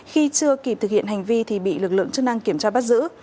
khi chưa kịp thực hiện hành vi thì bị lực lượng chức năng kiểm tra bắt giữ